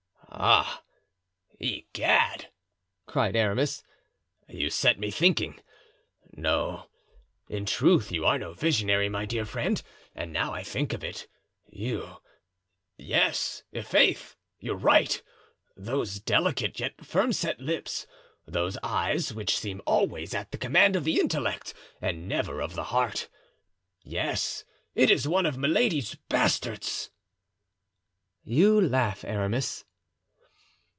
"Ah! Egad!" cried Aramis, "you set me thinking. No, in truth you are no visionary, my dear friend, and now I think of it—you—yes, i'faith, you're right—those delicate, yet firm set lips, those eyes which seem always at the command of the intellect and never of the heart! Yes, it is one of Milady's bastards!" "You laugh Aramis."